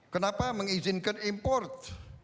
kenapa mengizinkan import